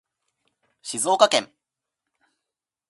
静岡県